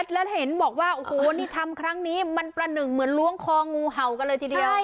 แล้วเห็นบอกว่าโอ้โหนี่ทำครั้งนี้มันประหนึ่งเหมือนล้วงคองูเห่ากันเลยทีเดียว